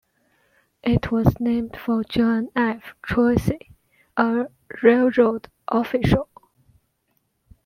It was named for John F. Tracy, a railroad official.